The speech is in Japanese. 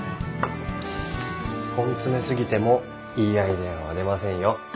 根詰めすぎてもいいアイデアは出ませんよ。